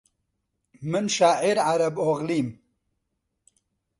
من شاعیر عەرەب ئۆغڵیم